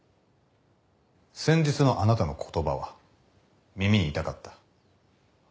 先日のあなたの言葉は耳に痛かった。